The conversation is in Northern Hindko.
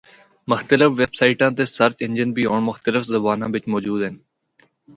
مختلف ویپ سائٹاں تے سرچ انجن بھی ہونڑ مختلف زباناں بچ موجود ہن۔